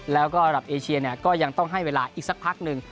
แล้วก็ระดับเอเชียเนี่ยก็ยังต้องให้เวลาอีกสักพักหนึ่ง